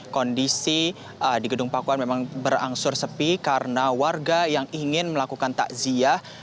kondisi di gedung pakuan memang berangsur sepi karena warga yang ingin melakukan takziah